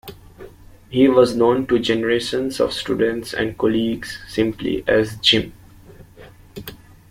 He was known to generations of students and colleagues simply as 'Gim'.